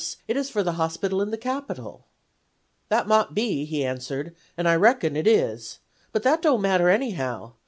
It is for the hospital in the Capital.' "'That mought be,' he answered, 'and I reckon it is. But that don't matter anyhow.